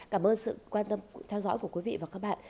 cảm ơn sự quan tâm theo dõi của quý vị và các bạn